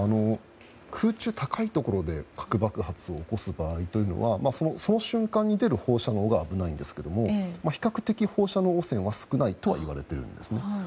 空中の高いところから核爆発を起こす場合というのはその瞬間に出る放射能が危ないんですけど比較的、放射能汚染は少ないとはいわれているんですね。